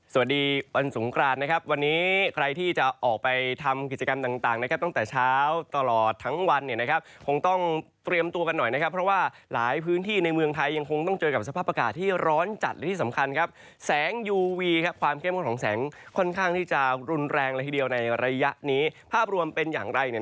สวัสดีวันสงครานนะครับวันนี้ใครที่จะออกไปทำกิจกรรมต่างนะครับตั้งแต่เช้าตลอดทั้งวันเนี่ยนะครับคงต้องเตรียมตัวกันหน่อยนะครับเพราะว่าหลายพื้นที่ในเมืองไทยยังคงต้องเจอกับสภาพอากาศที่ร้อนจัดและที่สำคัญครับแสงยูวีครับความเข้มข้นของแสงค่อนข้างที่จะรุนแรงเลยทีเดียวในระยะนี้ภาพรวมเป็นอย่างไรเนี่ย